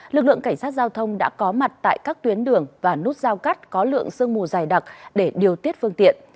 lực lượng cảnh sát giao thông đã có mặt tại các tuyến đường và nút giao cắt có lượng sương mù dày đặc để điều tiết phương tiện